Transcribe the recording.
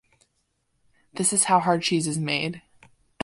This is how hard cheese is made.